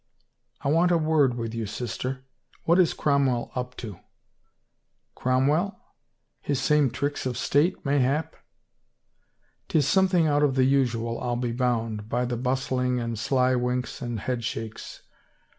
" I want a word with you, sister. What is Cromwell up to?" "Cromwell? His same tricks of state, mayhap!" " Tis something out of the usual, FU be bound, by the bustling and sly winks and headshakes.